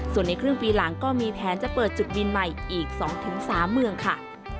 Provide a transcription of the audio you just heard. ส่วนในครึ่งปีหลังก็มีแผนจะเปิดจุดบินใหม่อีก๒๓เมืองค่ะ